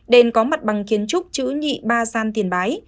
đền có mặt bằng kiến trúc chữ nhị ba gian tiền bái